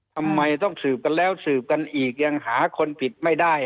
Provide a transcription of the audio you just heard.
ทำไมต้องสืบกันแล้วสืบกันอีกยังหาคนผิดไม่ได้